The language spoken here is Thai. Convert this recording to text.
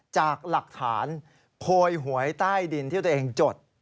จากหลักฐานโพยหวยใต้ดินที่ตัวเองจด